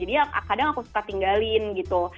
jadi ya kadang aku suka tinggalin gitu